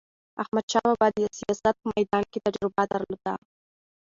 احمدشاه بابا د سیاست په میدان کې تجربه درلوده.